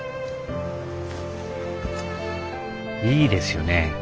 いいですよね